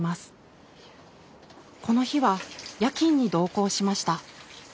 この日は夜勤に同行しました。